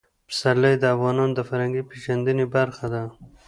پسرلی د افغانانو د فرهنګي پیژندنې برخه ده.